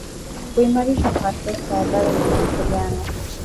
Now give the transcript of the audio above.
kuimarishwa kwa sekta ya habari na mawasiliano